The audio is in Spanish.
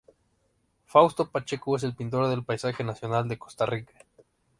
Fausto Pacheco es el pintor del paisaje nacional de Costa Rica.